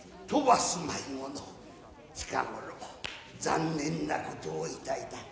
近頃残念なことをいたいた。